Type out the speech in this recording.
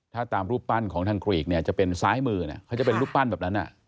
ถ้าตามรูปปั้นของทางกรีกเนี่ยจะเป็นซ้ายมือเขาจะเป็นรูปปั้นแบบนั้น